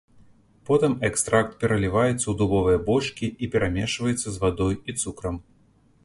Потым экстракт пералівацца ў дубовыя бочкі і перамешваецца з вадой і цукрам.